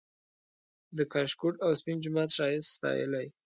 د کاشکوټ او سپین جومات ښایست ستایلی